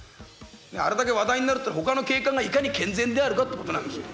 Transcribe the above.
あれだけ話題になるってのは他の警官がいかに健全であるかってことなんですよ。